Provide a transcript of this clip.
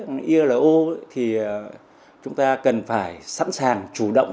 như ilo thì chúng ta cần phải sẵn sàng chủ động